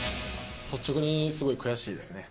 率直にすごい悔しいですね。